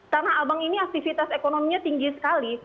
tanah abang ini aktivitas ekonominya tinggi sekali